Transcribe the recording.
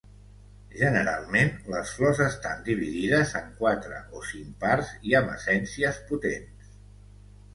Generalment les flors estan dividides en quatre o cinc parts i amb essències potents.